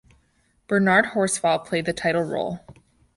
Bernard Horsfall played the title role.